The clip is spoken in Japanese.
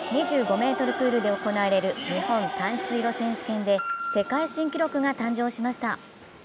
２５ｍプールで行われる世界短水路選手権で世界新記録が誕生しました。